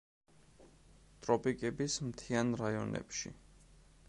ტროპიკების მთიან რაიონებში.